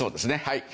はい。